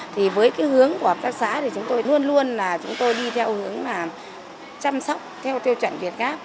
thì với cái hướng của hợp tác xã thì chúng tôi luôn luôn là chúng tôi đi theo hướng là chăm sóc theo tiêu chuẩn việt gáp